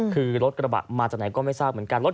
คือรถกระบะมาจากไหนก็ไม่ทราบเหมือนกัน